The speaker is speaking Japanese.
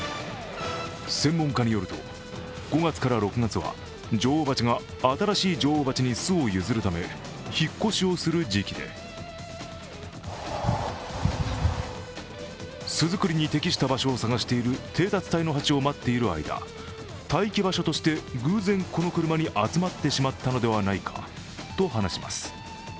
専門家によると５月から６月は女王蜂が新しい女王蜂に巣を譲るため引っ越しをする時期で巣作りに適した場所を探している偵察隊の蜂を待っている間、待機場所として偶然、この車に集まってしまったのではないかと話します。